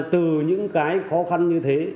từ những cái khó khăn như thế